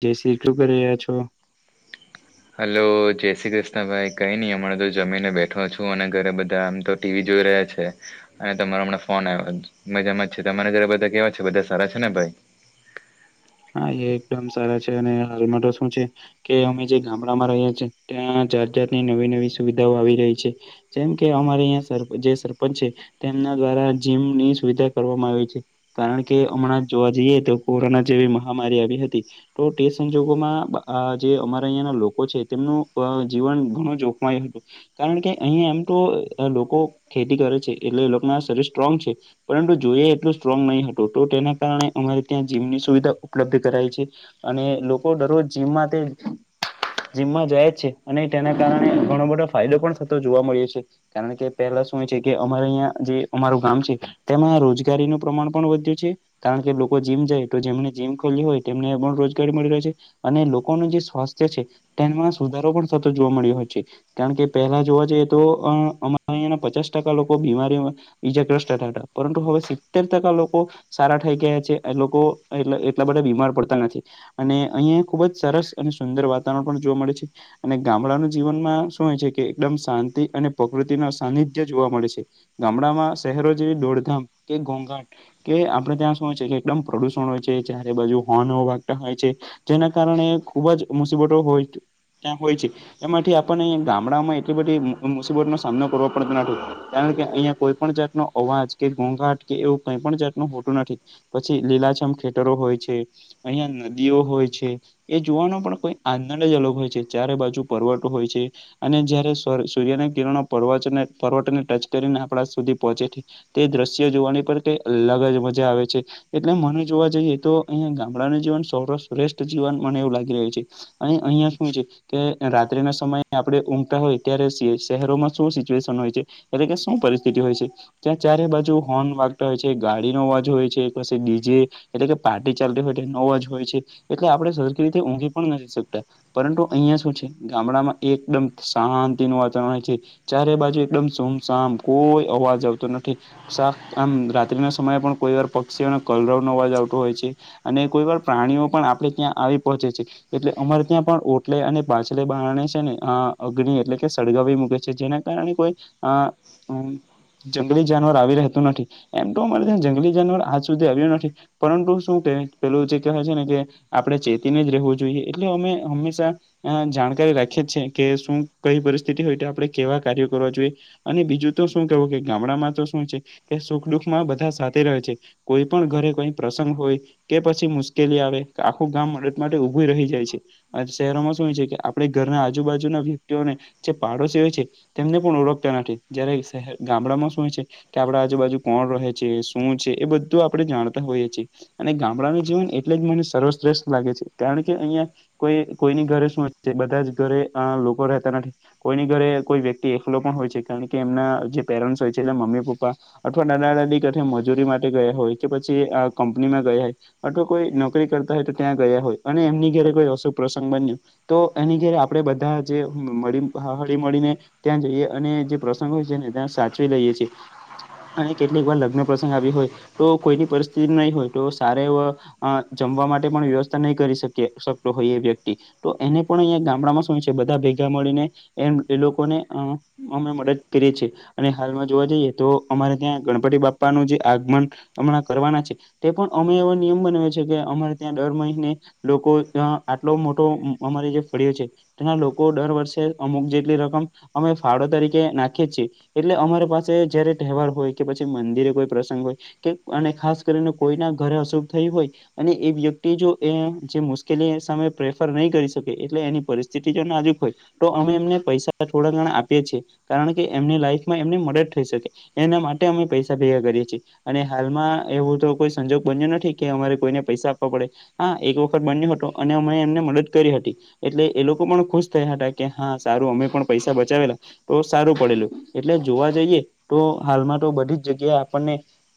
જે સી કું કરી રહ્યા છો? હાલો જય શ્રી કૃષ્ણ ભાઈ, કઈ નહી અમારે તો જમીને બેઠો છું અને ઘરે બધા આમ તો ટીવી જોઈ રહ્યા છે. અને તમારો હમણાં ફોન આવ્યો મજામાં જ છે, તમારે જરા બધા કેવા છે બધા સારા છે ને ભાઈ? હા એ એકદમ સારા છે. અને હાલમાં તો શું છે કે અમે જે ગામડામાં રહ્યા છીએ, ત્યાં જાત-જાતની નવી-નવી સુવિધાઓ આવી રહી છે. જેમ કે અમારે અહીંયા સર જે સરપંચ છે તેમના દ્વારા જીમની સુવિધા કરવામાં આવી છે. કારણ કે હમણાં જોવા જઈએ તો કોરોના જેવી મહામારી આવી હતી. તો તે સંજોગોમાં આ જે અમારા અહીંયાના લોકો છે તેમનું અહ જીવન ઘણું જોખમાયું હતું. કારણ કે અહીંયા એમ તો અહ લોકો ખેતી કરે છે એટલે એ લોક ના શરીર સ્ટ્રોંગ છે. પરંતુ જોઈએ એટલું સ્ટ્રોંગ નહીં હતું, તો તેના કારણે અમારે ત્યાં જીમની સુવિધા ઉપ પલબ્ધ કરાય છે, અને લોકો દરરોજ જીમ માટે જીમમાં જાય જ છે. અને તેના કારણે ઘણો બધો ફાયદો પણ થતો જોવા મળ્યો છે. કારણ કે પહેલા શું છે કે અમારે અહીંયા જે અમારું ગામ છે તેમાં રોજગારીનું પ્રમાણ પણ વધ્યું છે. કારણ કે લોકો જીમ જાય તો જેમને જીમ ખોલી હોય તેમને પણ રોજગારી મળી રહે છે. અને લોકોનું જે સ્વાસ્થ્ય છે તેમાં સુધારો પણ સતત જોવા મળ્યો હોય છે. કારણ કે પહેલા જોવા જઈએ તો અમારે અંયાના પચાસ ટકા લોકો બીમારીમાં બીજા દસ થતા હતા, પરંતુ હવે સિત્તેર ટકા લોકો સારા થઈ ગયા છે એ લોકો એટલેય એટલા બધા બીમાર પડતા નથી, અને અહિયા ખુબ જ સરસ અને સુંદર વાતાવરણ પણ જોવા મળે છે. અને ગામડાનું જીવનમાં શું હોય છે કે એકદમ શાંતિ અને પ્રકૃતિ ના સાનિધ્ય જોવા મળે છે. ગામડામાં શહેરો જેવી દોડધામ કે ઘોંઘાટ. કે આપડે ત્યાં શું હોય છે કે એકદમ પ્રદુષણ હોય છે. ચારે બાજુ હોર્ન વાગતા હોય છે, જેના કારણે ખુબ જ મુસીબતો હોય. ત્યાં હોય છે. એમાંથી આપણને અયા ગામડામાં એટલી બધી મુસીબતનો સામનો કરવો પડતો નથી, કારણ કે અહિયાયા કોઈ પણ જાતનો અવાજ કે ઘોંઘાટ કે એવું કઈ પણ જાતનું હોતું નથી, પછી લીલાછામ ખેટરો હોય છે. અહિયાં નદીઓ હોય છે. એ જોવાનો પણ કોઈ આનંદ જ અલગ હોય છે. ચારે બાજુ પર્વટો હોય છે. અને જયારે સૂર્યના કિરણો પવને પર્વને ટચ કરીને આપણા સુધી પહોંચે. તે દ્રશ્ય જોવાની પર કઈ અલગ જ મજા આવે છે, એટલે મને જોવા જોઈએ તો અહિયા ગામડાનું જીવન સર્વ શ્રેષ્ઠ જીવન મને એવું લાગી રહ્યું છે, અને અહિયાં શું છે. કે રાત્રિ ના સમયે આપડે ઉમતા હોય ત્યારે શહેરોમાં શું સિચ્યુએશન હોય છે. એટલે કે શું પરિસ્થિતિ હોય છે. ત્યાં ચારે બાજુ હોર્ન વાગતા હોય છે ગાડીનોો અવાજો હોય છે પછી બીજે. એટલે કે પાર્ટી ચાલતી હોય નવ જ હોય છે, એટલે આપડે સરખી રીતે ઊઘ પણ નથી શકતા. પરંતુ અહિયાં શું છે ગામડામાં એકદમ શાંતિનું વાતાવરણ હોય છે. ચારે બાજુ એકદમ સુમસામ કોઈ અવાજ આવતો નથી. શાક આમ રાત્ર ના સમયે પણ કોઈ વાર પક્ષીઓને કલરાવ ન અવાજ આવ હોય છે, અને કોઈ પણર પ્રાણીઓ પણ આપે ત્યાં આવી પહોંચે છે. એટલે અમારે ત્યાં પણ ઓટલે અને પાછલે બારણે છે ને આ અગ્નિ એટલે કે સળગાવી મૂકે છે જેના કારણે કોઈ, અ જંગલી જાનવર આવી રહેતું નથી, એમ તો મળે છે જંગલી જાનવર આજ સુધી આવ્યું નથી. પરંતુ શું કે પેલું જે કહેવાય છે ને, કે આપડણે ચેતીને જ રહેવું જોઈએ એટલે અમે હંમેશા અ જાણકારી રાખીએ જ છે કે શું કઈ પરિસ્થિતિ હોય તો આપડણે કેવા કાર્યો કરવા જોઈએ. અને બીજું તો શું કેવું કે ગામડામાં તો શું છે, કે સુખ દુઃખમાં બધા સાથે રહે છે. કોઈ પણ ઘરે કઈ પ્રસંગ હોય કે પછી મુશ્કેલી આવે આખું ગામ મડદ માટે ઉભું રહી જાય છે. શહેરોમાં શું હો છે કે આપે ઘરના આજુબાજુના વ્યક્તિઓને, જે પાડોશી હોય છે. તેમને પણ ઓળખતા નથી જયારે શહેર ગામડામાં શું છે. કે આપણા આજુબાજુ કોણ રહે છે શું છે એ બધું આપણે જાણતા હોઈએ છીએ. અને ગામડાનું જીવન એટલે જ મને સર્વશ્રેષ્ઠ લાગે છે કારણ કે અહિયાં કોઈ કોઈની ઘરે શું બધા જ ઘરે લોકો રહેતા નથી. કોઈની ઘરે કોઈ વ્યક્તિ એકલો પણ હોય છે કારણ કે એમના જે પેરેન્ટ્સ હોય છે એલે મમ્મી પપ્પા. અથવા દના દદી કઠ મજૂરી માટે ગયા હોય કે પછી કંપનીમાં ગયા હોય. અથવા કોઈ નોકરી કરતા હોય તો ત્યાં ગયા હોય અને એમની ઘેરે કોઈ અશુભ પ્રસંગ બન્યો. તો એની ઘેરે આપણે બધા જે હળી મળીને. ત્યાં જઈએ અને જે પ્રસંગો છે ને ત્યાં સાચવી લઈએ છીએ. અને કેટલીક વાર લગ્ન પ્રસંગ આવી હોય તો કોઈની પરિસ્થિતિ નહીિ હોય તો સાર એ. અ જમવા માટે પણ વ્યવસ્થા નહી કરી શકે શકતો હોય એ વ્યક્તિ. તો એને પણ અહીંયા ગામડામાં શું છે બધા ભેગા મળીને એમ એ લોકોને અ. અમે મદદ કરીએ છીએ અને હાલમાં જોવા જઈએ તો અમારે ત્યાં ગણપતિ બાપાનું જે આગમન. હમણાં કરવાના છે તે પણ અમે એવાો નિયમ બના છે કે અમારે ત્યાં દર મહિને. લોકો આટલો મોટો અમારે જે ફળ્યો છે. એના લોકો દર વર્ષે અમુક જેટલી રકમ અમે ફાળો તરીકે નાખીએ છીએ. એટલે અમારી પાસે જયારે તહેવાર હોય કે પછી મંદિરે કોઈ પ્રસંગ હોય. કે અને ખાસ કરીને કોઈના ઘરે અશુભ થઈ હોય. અને એ વ્યક્તિ જો એ જે મુશ્કેલી સામે પ્રેફર નહીં કરી શકે એટલે એની પરિસ્થિતિ જો નાજુક હોય. તો અમે એમને પૈસા થોડા ઘણા આપીએ છીએ. કારણ કે એમની લાઈફમાં એમની મદદ થઈ શકે એના માટે અમે પૈસા ભેગા કરીએ છીએ. અને હાલમાં એવું તો કોઈ સંજોગ બન્યો નથી કે અમારે કોઈને પૈસા આપવા પડે. હા એક વખત બન્યો હતો અને અ એમને મદદ કરી હતી. એટલે એ લોકો પણ ખુશ થયા હતા કે હા સારું અમે પણ પૈસા બચાવેલા. તો સારું પડેલું એટલે જોવા જઈએ તો હાલમાં તો બધી જ જગ્યાએ આપણને.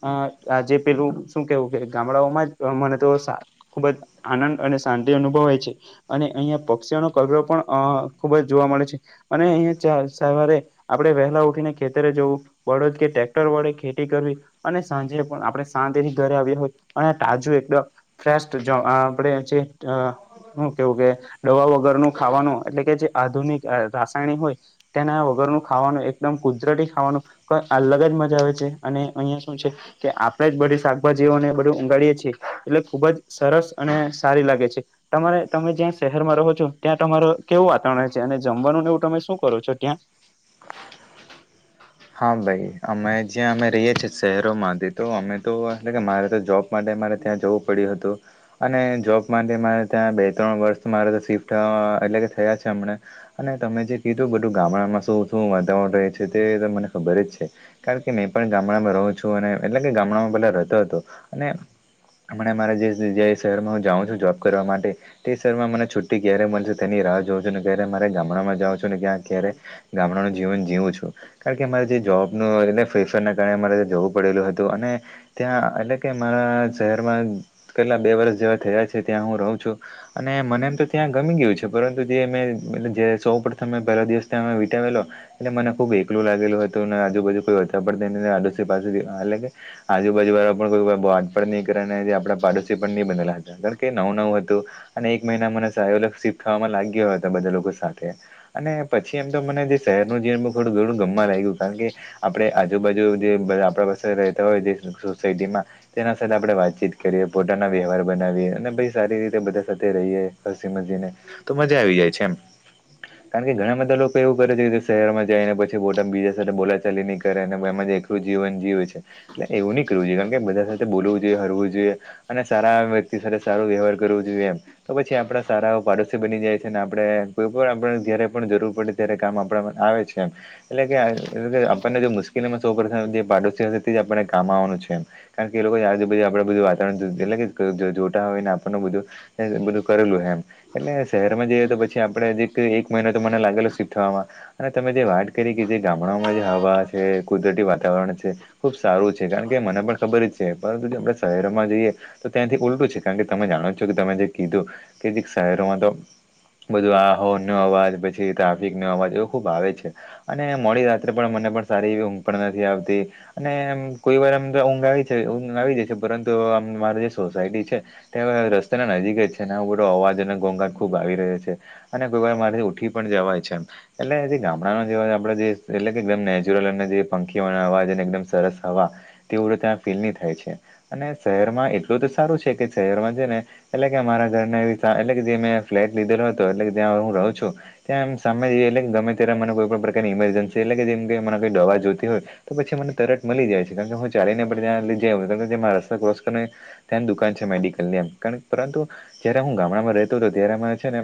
અ આજ પેલું શું કેવું કે ગામડાઓમાં જ મને તો. ખુબ જ આનંદ અને શાંતિ અનુભવ હોય છે. અને અહિયાં પક્ષીઓનો કગરો પણ અ ખુબ જ જોવા મળે છે અને અહીિયાં સવારે. આપડણે વહેલા ઉઠીને ખેતરે જવું વડદ કે ટ્રેક્ટર વડે ખેતી કરવી. અને સાંજે પણ આપણે સાાજથી ઘરે આવ્યા હોય અને તાજું એકદમ. ફ જો આપણેે. હું કેવું કે દવા વગર નું ખાવાનું એટલે કે જે આધુનિક રાસાયણિક હોય. તેના વગરનું ખાવાનું એકદમ કુદરતી ખાવાનું અલગ જ મજા આવે છે અને અહિયાં. શ છે કે આપણેે જ બધી શાકભાજીઓને બધું ઊગાડીએે છીએ એટલે ખુબ જ. સરસ અને સારી લાગે છે. તમારે તમે જ્યાં શહેરમાં રહો છો ત્યાં તમાર કેવું વાતાવરણ છે અને જમવાનું એવું તમે શું કરો છો ત્યાં. હા ભાઈ અમે જ્યાં અમે રહીએ છીએ શહેરોમાંથી તો અમે તો એટલે કે મારે તો જોબ. માટે મારે ત્યાં જવું પડ્યું હતું. અને જોબ માટે મારે ત્યાં બે ત્રણ વર્ષ મારે તો શિફ્ટ એટલે કે થયા છે હમનેં. અને તમે જે કીધું બધું ગામડામાં શું શું વાતાવરણ રહે છે તે મને ખબર જ છે. કારણ કે મેં પણ ગામડામાં રહું છું અને એટલે કે ગામડામાં પેલા રહેતો હતો અને. હમણા અમારા જે શહેરમાં હું જાઉં છું જોબ કરવા માટે. તે શ મા મને છુટ્ટી ક્યારે મળશે તેની રાહ જોવ છને ક્યારે મારે. ગામ જી જીવું છ કાર. પ ફેશર ના કારણે અરે જવું પડેલું હતું અને. ત્યાં એટલે કે મારા શહેરમાં કેટલા બે વર્ષ જેવા થયા છે ત્યાં હું રહું છું. અને મને એમ તો ત્યાં ગમી ગયું છે પરંતુ જે મે જે સૌ પ્રથમ પહેલા દિવસ ત્યાં વિીતાવેેલો. એટલે મને ખુબ એકલું લાગેલું હતું ને આજુબજુ કોઈ વચ પડ આડોશી પાસેથી એટલે કે. આજુબાજુ વાળા પણ કોઈડ પણણ નહીં કરે ને જે આપણા પાડોશી પણ નહી બનેલા હતા કારણ કે નવું નવું હતું. અને એક મહિના મને સલગ શિફ્ટ થવામાં લાગીયો હતા બધા લોકો સાથે. અને પછી એમ તો મને જે શહેરનું જી થોડું ઘણું ગમવા લાગ્યું કારણ કે. આપણે આજુબાજુ જે આપણા પાસે રહેતા હોય જે સોસાયટી માં તેના સાથે આપડણે વાતચીત કરીએ પોતાના વ્યવહાર બનાવીએ અને ભાઈ સારી રીતે બધા સાથે રહીએ હસી મસીને. તો મજા આવી જાય છે એમ કારણ કે ઘણા બધા લોકો એવું કરે છે શહેરમાં. જાય ને પછી બોટામ બીજા સાથે બોલાચાલી નહી કરે અને એમાં જે એકલું જીવન જીવે છે. એટલે એવું નહી કરવ જોઈએણ કે બધા સાથે બોલવું જોઈએ હરવું જોઈએ અને સારા વ્યક્તિ સાથે સારું વ્યવહાર કરવો જોઈએ એમ તો પછી આપણા સારા પાડોશી બની જાય છે ને આપે કોઈ પણ આપ જયારે પણ જરૂર પડે ત્યારે કામ આપણા આવે છે. કયા. એટલે કે એ કે આપણને જો મુશ્કેલીમાં સૌ પ્ર જે પાડોશી તે જ આપને કામવાનું છે એમ કારણ કે એ લોકો યારધી આપડ બધું વાતાવરણ એટલે જોતા હોય ને આપણનું બધું. બધું કરેલું એમ એટલે શહેરમાં જઈએ તો પછી આપડે જે એક મહિનો તો મને લાગેલો શિફ્ટ થવામાં તમે જે વાત કરી કે જે ગામડાઓમાં જે હવા છે કુદરતી વાતાવરણ છે ખુબ સારું છે કારણ કે મને પણ ખબર જ છે પરંતુ જે આપણે શહેરમાં જઈએ. તો ત્યાંથી ઉલટું છે કારણ કે તમે જાણો છો કે તમે જે કીધું કે જે શહેરોમાં તો બધું આહોન નો અવાજ પછી ટ્રાફિક નો અવાજ એવો ખુબ આવે છે. અને મોડી રાત્રે પણ મને પણ સારી એવી હ પણ નથી આવતી અને કોઈ વાર આમ તો ઊંઘ આવી છે ઊંઘ આવી જાય છે પરંતુ આમ મારી જે સોસાયટી છે. તં રસ્તા ના નજીક જ છે બ અવાજ અને ઘોંઘાટ ખુબ આવી રહ્યો છે. અને કોઈ વાર મારેથી ઉઠી પણ જવાય છે એમ એટલે જે ગામડાના જે આપણે જે એટલે કે એકદમ નેચરલ અને જે પંખીઓના હવા છેને એકદમ સરસ હવા તેવું રતે્યા આ ફીલ નહી થાય છે અને શહેરમાં એટલું તો સારું છે કે શહેરમાં છે ને એટલે કે અમારા ઘરના એટલે કે જે મે ફ્લેટ લીધેલો હતો એટલે કે ત્યાં હું રહું છું. ત્યાંમ સામે એટલે ગમે ત્યારે મને કોઈ પણ પ્રકારની ઇમરજન્સી એટલે કે જેમ કે મને કોઈ દવા જોતી હોય. તો પછી મને તરત મળી જાય છે કારણ કે હું ચાલીને ત્યાં લઈ જ કે જેમાં રસ્તા ક્રોસ કર ત્યાની દુકાન છે મેડિકલ મ કાર પરંતુ જય્યારે હું ગામડામાં રહેતો હતો ત્યારેમાં છે ને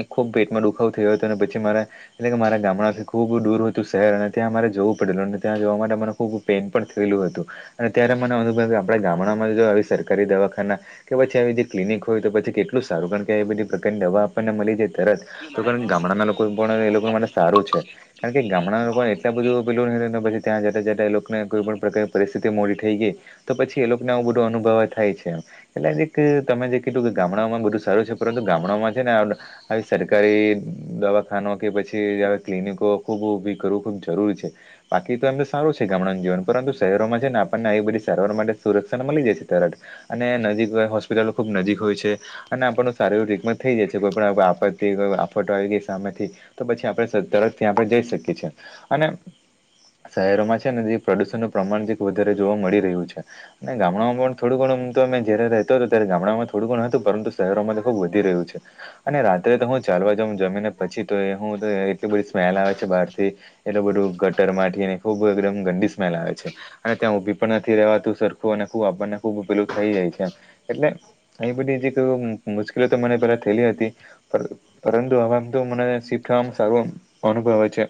એ ખુબ પેટમાં દુખાવ થયો હતો અને પછી મારે એટલે કે મારા ગામડાંથી ખૂબ દૂર હતું શહેર અને ત્યાં મારે જવું પડેલું અને ત્યાં જવા માટે મને ખૂબ પેન પણ થયેલું હતું. અને ત્યારે મને અનુભવ કે આપણા ગામડામાં જો આવી સરકારી દવાખાના કે પછી આવી જે ક્લનિક હોય તો પછી કેટ એટલું સારું કારણ કે એ બધી પ્રકારની દવા આપણને મળી જાય તરત આપની તો લડાઈ કારણ મે કે ગામડાના લોકો જશે એ લોકો માટે સારું છે. કારણ કે ગામડા લોકોને એટલા બધું પેલું પછી ત્યાંતા જતા એ લોકોને કોઈ પણ પ્રકારની પરિસ્થિતિ મોડી થઈ ગઈ તો પછી એ લોકો બધો અનુભવ થાય છે એટલે એક તમે જે કીધું કે ગામડાઓમાં બધું સારું છે પરંતુ ગામડામાં છે ને આવી સરકારી દવાખાનો કે પછી ક્લિનિકો ખૂબ ઉઊભી કરવું ખુબ જરૂરી છે બાકી તો એમ તો સારું છે ગામડા જીવન પરંતુ શહેરોમાં છે ને આપણને આવી બધી સારવાર માટે સુરક્ષામાં મળી જાય છે તરત અને નજીક હો હોસ્પિટલો ખુબ નજીક હોય છે. અને આપણું સારીું રીગમત થઈ જાય છે કોઈ પણ આપત્તિ કોઈ આફટ આવી ગઈ સામેથી તો પછી આપણે તરત ત્યાં જઈ શકીએ છીએ અને શહેરોમાં છે ને જે પ્રદૂષણનું પ્રમાણ વધારે જોવા મળી રહ્યું છે. અને ગામડાઓમાં પણ થોડું ઘણુંમ તો અમે જયારે રહેતો હતો ત્યારે ગામડામાં થોડું ઘણું હતું પરંતુ શહેરોમાં તો ખુબ વધી રહ્યું છે. અને રાત્રે તો હું ચાલવા જા જમી ને પછી તો હું એટલી બધી સ્મેલ આવે છે બહાર થી એટલું બધું ગટર થીને ખુબ એકદમ ગંડી સ્મેલ આવે છે. અને ત્યાં ઉઊભી પણ નથી રવાતું સરખું અને ખબ આપણને ખૂબ ઉઊભેલું થઈ જાય છે એટલે એ બધી જ મુશ્કેલી તો મને પેલા થયેલી હતી પરંતુ અમે મને શિફ થવામાં સારો અનુભવ હોય છે.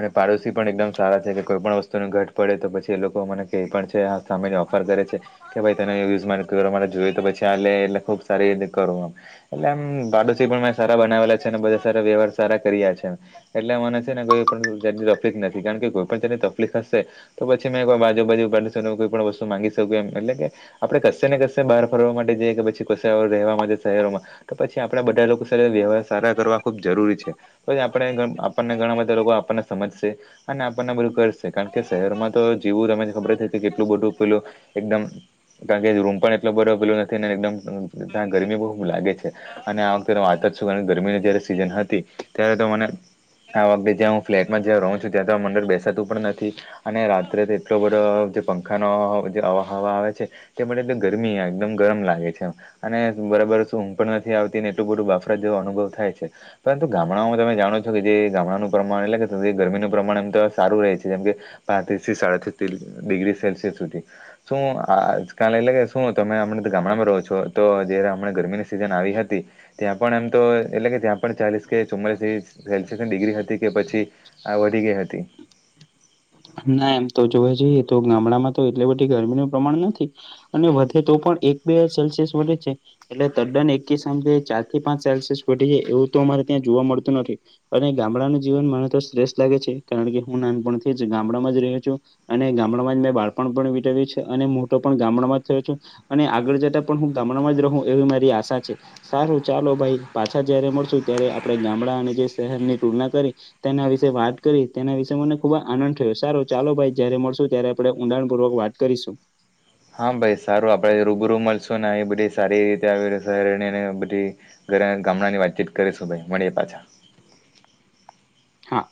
અને પાડોશ પણ એકદમ સારા છે કે કોઈ પણ વસ્તુ ન ઘટ પડે તો પછી એ લોકો મને કે પણ છે. સામે ઓફર કરે છે કે ભાઈ તને યુઝ માટે જોઈએ તો પછી આ એટલે ખુબ સારીતે કરુંમ એટલેમ બાડોશ પણ સારાનાવેલા છે અને બધા સાર વ્યવહાર સારા કર્યા છે. એટલે મને છે ને કોઈ પણની તકલીફ નથી કારણ કે કોઈ પણ ચની તકલીફ હશે તો પછી મે કોઈ બાજુબાજુ ઉપાડીીું કોઈ પણ વસ્તુ માગી શકું એમ એટલે કે આપડે કશશે ને કશે બહાર ફરવા માટે જઈએ કે પછી ક રહેવા માટે શહેરોમાં તો પછી આપડા બધા લોકો સાથે વ્યવહાર સારા કરવા ખૂબ જરૂરી છે પછી આપણે આપણને ઘણા બધા લોકો આપણને સમજશે અને આપણને બધું કરશે કારણ કે શહેરમાં તો જીવું તમેને ખબર થ કેટલું બધું પેલું એકદમ કારણ કે રૂમ પણ એટલો બરોબેલો નથી એકદમ ત્યા ગરમી બહુ લાગે છે અને આ વખતે વાત જું ગરમીની જયારે સીઝન હતી ત્યારે તો મને આ વખતેે જ્યાં હું ફ્લેટમાં જ્યાં રહું છું ત્યાં તો આ મંડર બેસાતું પણ નથી અને રાત્રે તો એટલો બધો જે પંખાનો જે આહવા આવે છે તે માટેમ ગરમી એકદમ ગરમ લાગે છે અને બરાબર શું હુંમ પણ નથી આવતી ને એટલું બધું બાફરા જેવો અનુભવ થાય છે પરંતુ ગામડાઓમાં તમે જાણો છો કે જે ગામડાનું પ્રમાણ એટલે કે ગરમીનું પ્રમાણ એમ તો સારું રહે છે જેમ કે પાંત્રીસ થી સાડત્રીસ ડિગ્રી સેલ્સિયસ સુધી શું આજકાલ એટલે કે શું તમેમણા ગામડામાં રહો છો તો જય હમ ગરમીની સિઝન આવી હતી ત્યાં પણ એમ તો એટલે કે ત્યાં પણ ચાલીસ કે ચુમમાલીસ સેલ્યસની ડિગ્રી હતી કે પછી આ વધી ગઈ હતી ના એમ તો જોવે જ તો ગામડામાં તો એટલી બધી ગરમીનું પ્રમાણ નથી અને વધે તો પણ એક બે સેલ્સિયસ વધે છે એટલે તદ્દન એક સા ચાર થી પાંચ સેલ્સિયસ ઘટી જાય એવું તો અમારે ત્યાં જોવા મળતું નથી અને ગામડાનું જીવન મને તો શ્રેષ્ઠ લાગે છે કારણ કે હું નાનપણથી જ ગામડામાં જ રહ્યો છું અને ગામડામાં જ મેં બાળપણ પણ વિતવ્યું છે અને મોટો પણ ગામડામાં જ થયો છું અને આગળ જતા પણ હું ગામડામાં જ રહું એવી મારી આશા છે સારું ચાલો ભાઈ પાછા જયારે મળશુ ત્યારે આપણે ગામડા અને જે શહેરની તુલના કરી તેના વિશેે વાત કરી તેના વિશે મને ખુબ આનંદ સારો ચાલો ભાઈ જયારે મળશું ત્યારે આપણે ઊંડાણપૂર્વક વાત કરીશું હા ભાઈ સારું આપડે રૂબરૂ મળશું એ બધી સારી રીતેહેને બધી ઘરે ગામડા ની વાતચીત કરીશું ભાઈ મળીએ પાછા હા